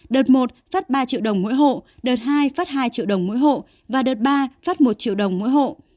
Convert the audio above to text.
đợt một phát ba triệu đồng mỗi hộ đợt hai phát hai triệu đồng mỗi hộ và đợt ba phát một triệu đồng mỗi hộ